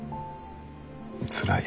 つらい。